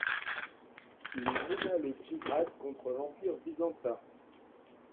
Il mena le jihad contre l'Empire byzantin.